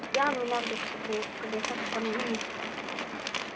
dia menaruh ke desa seperti ini